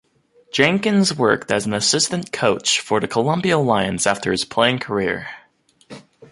Jenkins worked as an assistant coach for the Columbia Lions after his playing career.